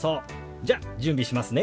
じゃ準備しますね。